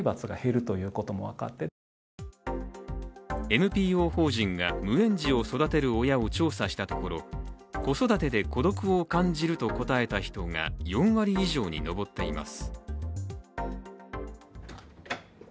ＮＰＯ法人が無園児を育てる親を調査したところ子育てで孤独を感じると答えた人が４割以上に上っています。